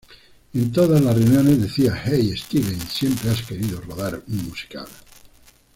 En todas las reuniones decía ‘Hey, Steven, siempre has querido rodar un musical’.